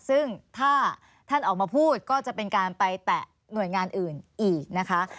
ซึ่งถ้าท่านออกมาพูดก็จะเป็นการไปแตะหน่วยงานอื่นอีกนะคะ